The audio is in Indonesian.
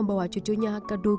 oh itu tadi